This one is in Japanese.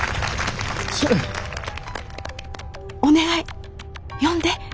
お願い呼んで！